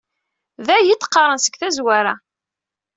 D aya i d-qqaraɣ seg tazwara.